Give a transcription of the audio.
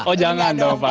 oh jangan dong pak